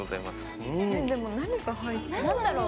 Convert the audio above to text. えでも何が入ってるんだろう？